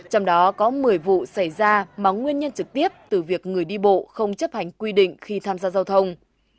trong đó có một mươi vụ xảy ra mà nguyên nhân trực tiếp từ việc người đi bộ không chấp hành quy định khi tham gia giao thông